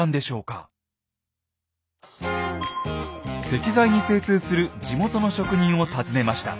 石材に精通する地元の職人を訪ねました。